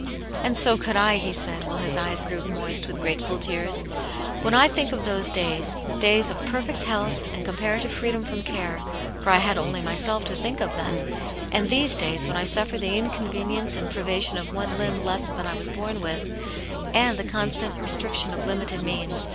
"And so could I!" he said, while his eyes grew moist with grateful tears. " When I think of those days, days of perfect health and comparative free ? dom from care, for I had only myself to think of then, and these days when I suffer the inconvenience "and privation of one limb less, than I was born with| and the constant restriction of limited means.